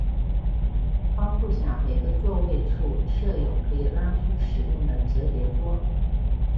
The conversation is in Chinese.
窗户下每个座位处设有可以拉出使用的折叠桌。